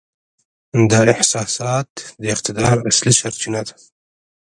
دا احساسات د اقتدار اصلي سرچینه ګڼي.